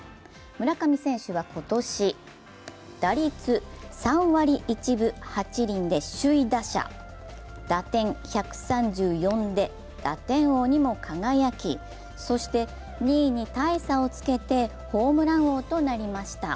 村上選手は今年、打率３割１分８厘で首位打者打点１３４で打点王にも輝き、そして２位に大差をつけてホームラン王となりました。